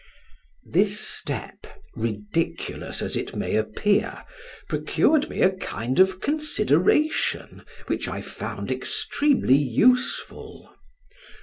This step, ridiculous as it may appear, procured me a kind of consideration, which I found extremely useful.